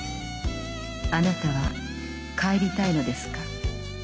あなたは帰りたいのですか？